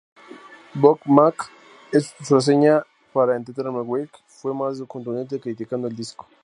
Bob Mack, en su reseña para "Entertainment Weekly" fue más contundente criticando el disco.